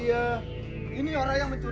iya tapi inilah kenyataannya tuan